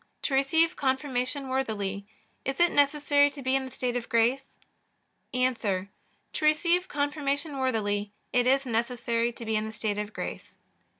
To receive Confirmation worthily is it necessary to be in the state of grace? A. To receive Confirmation worthily it is necessary to be in the state of grace.